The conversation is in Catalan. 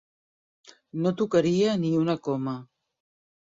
No tocaria ni una coma.